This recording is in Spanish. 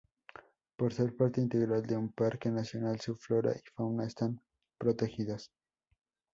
Por ser parte integral de un parque nacional su flora y fauna están protegidas.